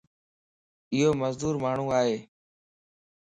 ايو معذور ماڻھو ائي.